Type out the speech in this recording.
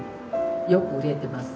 よく売れてます。